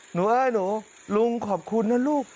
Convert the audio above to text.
เอ้ยหนูลุงขอบคุณนะลูก